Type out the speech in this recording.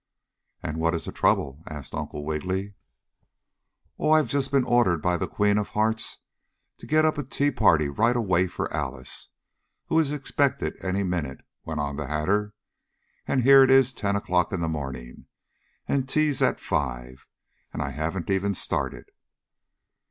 "And what is the trouble?" asked Uncle Wiggily. "Oh, I've just been ordered by the Queen of Hearts to get up a tea party right away for Alice, who is expected any minute," went on the Hatter. "And here it is 10 o'clock in the morning, and the tea's at 5, and I haven't even started."